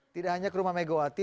tidak hanya ke rumah megawati